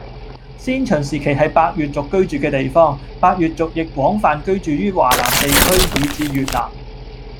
先秦時期係百越族居住嘅地方，百越族亦廣泛居住於華南地區以至越南